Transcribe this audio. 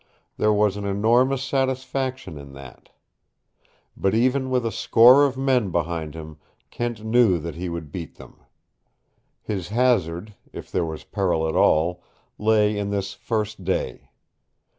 There was an enormous satisfaction in that. But even with a score of men behind him Kent knew that he would beat them. His hazard, if there was peril at all, lay in this first day.